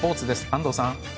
安藤さん。